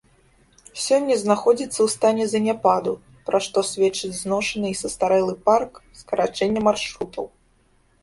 Сёння знаходзіцца ў стане заняпаду, пра што сведчаць зношаны і састарэлы парк, скарачэнне маршрутаў.